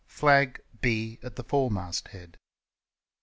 Flag B at the foremast head.